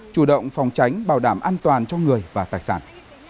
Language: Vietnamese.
chủ động phòng tránh bảo đảm an toàn cho người và tài sản